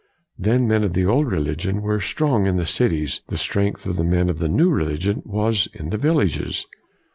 The men of the old religion were strong in the cities; the strength of the men of the new religion was in the vil lages.